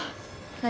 何？